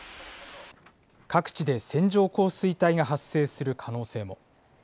各地で線状降水帯が発生する可能性も。